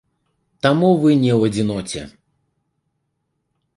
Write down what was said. Таму вы не ў адзіноце.